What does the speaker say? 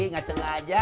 nggak suka aja